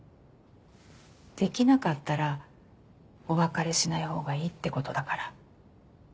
できなかったらお別れしない方がいいってことだから。